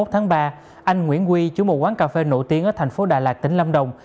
hai mươi một tháng ba anh nguyễn huy chủ mùa quán cà phê nổi tiếng ở thành phố đà lạt tỉnh lâm đồng